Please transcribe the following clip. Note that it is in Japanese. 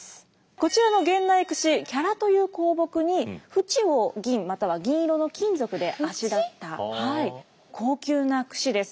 こちらの源内くし伽羅という香木に縁を銀または銀色の金属であしらった高級なくしです。